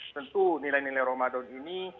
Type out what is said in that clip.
tentu nilai nilai ramadan ini